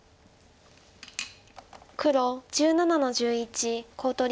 黒１７の十一コウ取り。